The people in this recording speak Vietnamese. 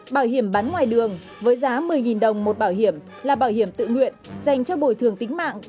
bảo hiểm bán ngoài đường với giá một mươi đồng một bảo hiểm là bảo hiểm tự nguyện dành cho bồi thường tính mạng